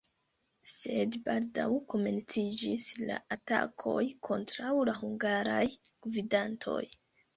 Sed baldaŭ komenciĝis la atakoj kontraŭ la hungaraj gvidantoj.